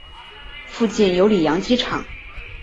附近有里扬机场。